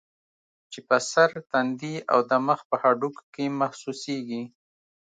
چې پۀ سر ، تندي او د مخ پۀ هډوکو کې محسوسيږي